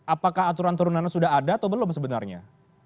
apakah aturan turunannya sudah ada atau belum sebenarnya